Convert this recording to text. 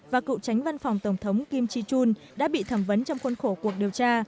và cựu tránh văn phòng tổng thống kim ji chung đã bị thẩm vấn trong khuôn khổ cuộc điều tra